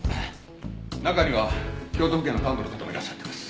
中には京都府警の幹部の方もいらっしゃってます。